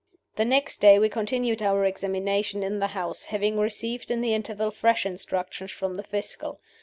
"The next day we continued our examination in the house, having received in the interval fresh instructions from the Fiscal.